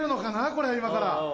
これ今から。